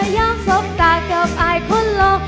ย้ำสกตากลับอายคนละ